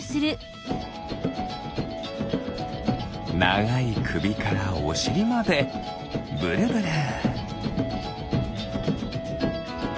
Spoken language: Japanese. ながいくびからおしりまでブルブル。